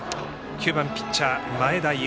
９番、ピッチャー前田悠